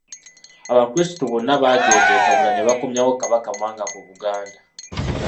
Abakristu bonnaabaagenda e Kabula ne bakomyawo Kabaka Mwanga ku Buganda.